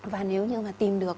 và nếu như mà tìm được